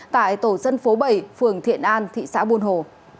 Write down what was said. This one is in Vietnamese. tại tổ dân phố bảy phường thiện an thị xã buôn hồ